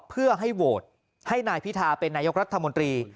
เพื่อให้โหวตให้นายพิธาเป็นนายกรัฐมนตรี